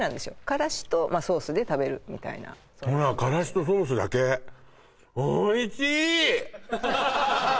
からしとソースで食べるみたいなほらからしとソースだけおいしい！